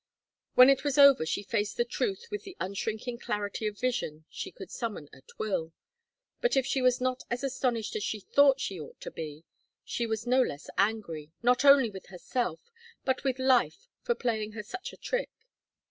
When it was over she faced the truth with the unshrinking clarity of vision she could summon at will. But if she was not as astonished as she thought she ought to be, she was no less angry, not only with herself, but with life for playing her such a trick.